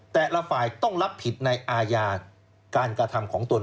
แต่ละฝ่ายต้องรับผิดในอาญาการกระทำของตน